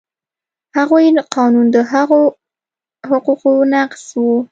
هغوی قانون د هغو حقوقو نقض و.